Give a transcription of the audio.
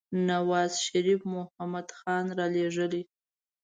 نوازشريف محمود خان رالېږي.